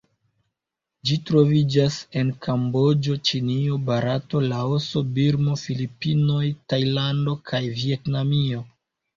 Ĝi troviĝas en Kamboĝo, Ĉinio, Barato, Laoso, Birmo, Filipinoj, Tajlando kaj Vjetnamio.